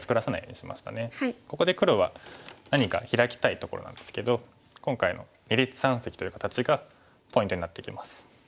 ここで黒は何かヒラきたいところなんですけど今回の二立三析という形がポイントになってきます。